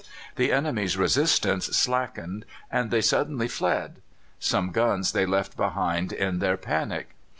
The enemy's resistance slackened, and they suddenly fled. Some guns they left behind in their panic.